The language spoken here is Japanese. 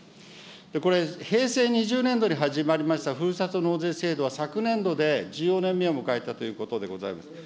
これ、平成２０年度に始まりましたふるさと納税制度は、昨年度で１４年目を迎えたということでございます。